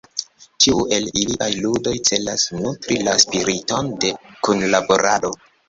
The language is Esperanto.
Ĉiu el iliaj ludoj celas nutri la spiriton de kunlaborado.